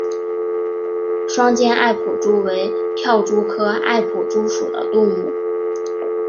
双尖艾普蛛为跳蛛科艾普蛛属的动物。